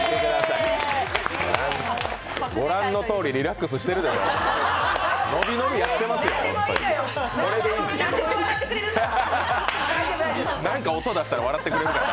御覧のとおりリラックスしてるでしょ？